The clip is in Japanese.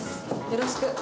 よろしく。